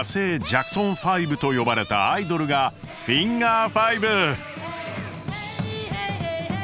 「ジャクソン５」と呼ばれたアイドルが「フィンガー５」！